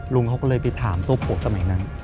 ลุงเขาก็เลยไปถามตัวผัวสมัยนั้น